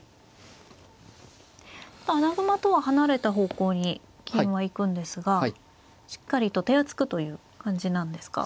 穴熊とは離れた方向に金は行くんですがしっかりと手厚くという感じなんですか。